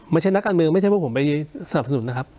ไม่ใช่นักการเมืองไม่ใช่เพราะผมไปสนับสนุนนะครับ